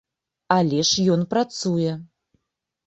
Але ж ён працуе!